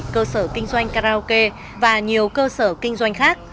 cơ sở kinh doanh karaoke và nhiều cơ sở kinh doanh khác